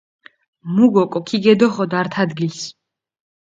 მუ გოკო ქიგედოხოდ ართ ადგილს